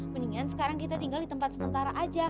mendingan sekarang kita tinggal di tempat sementara aja